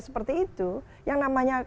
seperti itu yang namanya